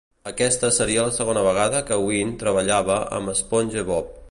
Aquesta seria la segona vegada que Ween treballava amb SpongeBob.